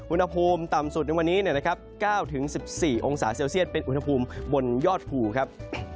อุณหภูมิต่ำสุดในวันนี้นะครับ๙๑๔องศาเซลเซียตเป็นอุณหภูมิบนยอดภูครับ